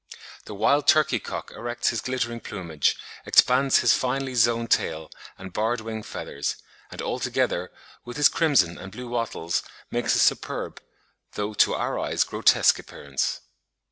The wild turkey cock erects his glittering plumage, expands his finely zoned tail and barred wing feathers, and altogether, with his crimson and blue wattles, makes a superb, though, to our eyes, grotesque appearance.